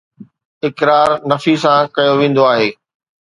اقرار نفي سان ڪيو ويندو آهي